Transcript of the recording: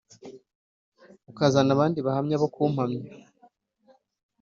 ukazana abandi bahamya bo kumpamya,